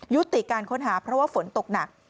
ยุติการค้นหาเพราะว่าฝนตกหนัก